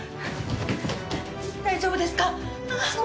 大丈夫ですか？